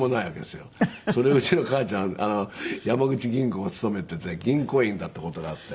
それをうちの母ちゃん山口銀行に勤めてて銀行員だった事があって。